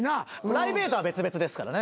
プライベートは別々ですからね